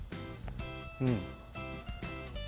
うん。